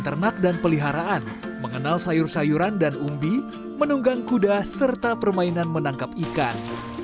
ternak dan peliharaan mengenal sayur sayuran dan umbi menunggang kuda serta permainan menangkap ikan